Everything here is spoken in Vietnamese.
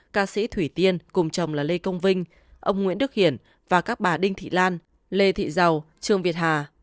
ca sĩ thủy tiên cùng chồng là lê công vinh ông nguyễn đức hiển và các bà đinh thị lan lê thị giàu trương việt hà